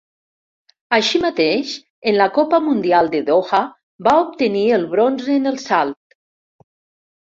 Així mateix, en la Copa Mundial de Doha, va obtenir el bronze en el salt.